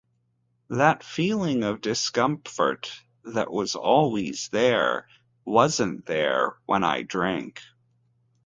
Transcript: That feeling of discomfort that was always there, wasn't there when I drank.